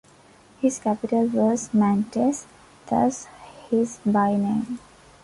His capital was Mantes, thus his byname.